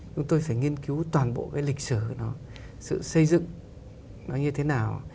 chúng tôi phải nghiên cứu toàn bộ cái lịch sử của nó sự xây dựng nó như thế nào